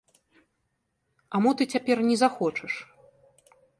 А мо ты цяпер не захочаш?